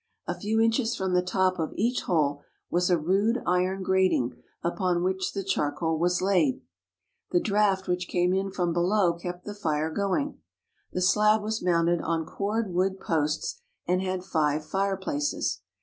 A few inches from the top of each hole was a rude iron grating upon which the charcoal was laid. The draft which came in from below kept the fire going. The slab was mounted on cord wood posts and had five fireplaces.